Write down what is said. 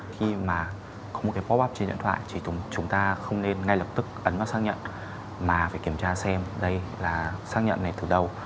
khi mà có một cái pop up trên điện thoại thì chúng ta không nên ngay lập tức ấn vào xác nhận mà phải kiểm tra xem đây là xác nhận này từ đâu